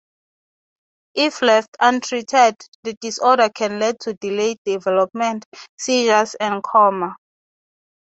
If left untreated, the disorder can lead to delayed development, seizures, and coma.